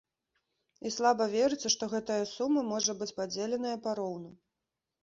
І слаба верыцца, што гэтая сума можа быць падзеленая пароўну.